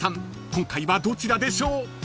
今回はどちらでしょう？］